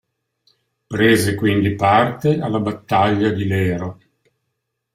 Prese quindi parte alla battaglia di Lero.